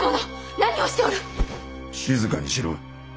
静かにしろ。